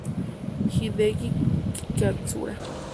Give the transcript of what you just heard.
Hideki Katsura